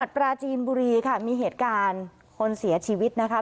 ปราจีนบุรีค่ะมีเหตุการณ์คนเสียชีวิตนะคะ